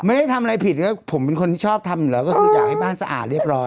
ไม่ได้ทำอะไรผิดแล้วผมเป็นคนที่ชอบทำอยู่แล้วก็คืออยากให้บ้านสะอาดเรียบร้อย